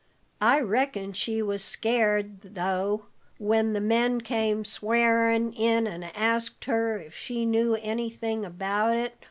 "I reckon she was scared, though, when the men came swearin' in and asked her if she knew anything about it.